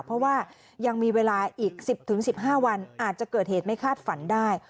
เพราะว่ายังมีเวลาอีก๑๐๑๕วันอาจจะเกิดเหตุไม่คาดฝันได้